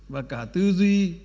và cả tư duy